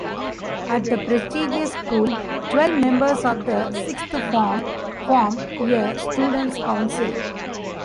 At the prestigious school twelve members of the Sixth Form form a Student's Council.